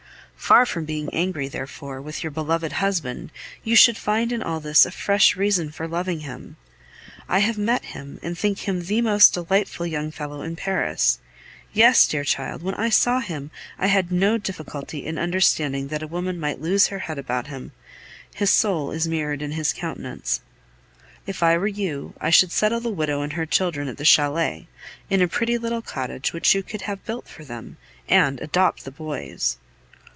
Far from being angry, therefore, with your beloved husband, you should find in all this fresh reason for loving him. I have met him, and think him the most delightful young fellow in Paris. Yes! dear child, when I saw him, I had no difficulty in understanding that a woman might lose her head about him; his soul is mirrored in his countenance. If I were you, I should settle the widow and her children at the chalet, in a pretty little cottage which you could have built for them, and adopt the boys!